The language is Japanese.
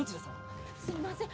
すみません。